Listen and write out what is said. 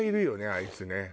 あいつね。